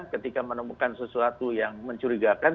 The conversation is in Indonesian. ketika menemukan sesuatu yang mencurigakan